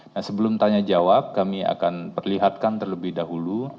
nah sebelum tanya jawab kami akan perlihatkan terlebih dahulu